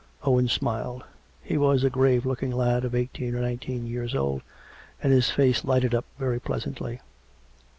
Owen smiled. He was a grave looking lad of eighteen or nineteen years old ; and his face lighted up very pleasantly.